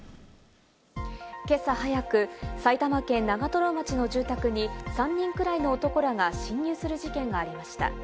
今朝早く、埼玉県長瀞町の住宅に３人くらいの男らが侵入する事件がありました。